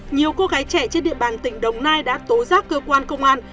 nhiều cô gái trẻ trên địa bàn tỉnh đồng nai đã tố giác cơ quan công an